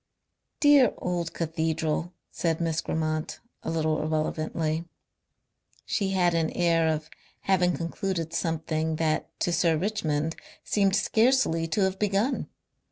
"Dear old cathedral," said Miss Grammont, a little irrelevantly. She had an air of having concluded something that to Sir Richmond seemed scarcely to have begun.